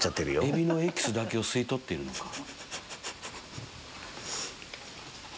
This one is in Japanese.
エビのエキスだけを吸い取ってるのか。